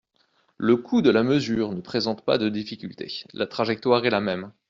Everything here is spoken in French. Le coût de la mesure ne présente pas de difficulté : la trajectoire est la même.